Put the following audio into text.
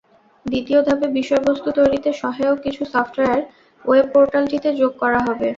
দ্বিতীয় ধাপে বিষয়বস্তু তৈরিতে সহায়ক কিছু সফটওয়্যার ওয়েব পোর্টালটিতে যোগ করা হবে।